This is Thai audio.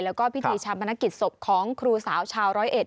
แล้วก็พิธีชาปนกิจศพของครูสาวชาวร้อยเอ็ด